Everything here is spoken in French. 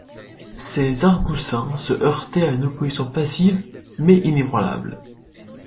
Ses argousins se heurtaient à une opposition passive, mais inébranlable.